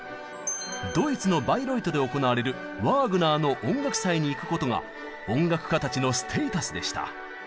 ドイツのバイロイトで行われるワーグナーの音楽祭に行くことが音楽家たちのステータスでした。